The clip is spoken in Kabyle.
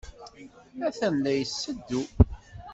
Atan la d-yetteddu.